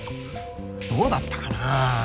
どうだったかな？